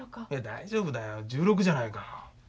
大丈夫だよ１６じゃないか。